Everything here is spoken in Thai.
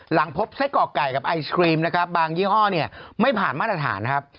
หลังพบไส้กรอกไก่กับไอศครีมนะครับบางยี่ห้อเนี่ยไม่ผ่านมาตรฐานนะครับ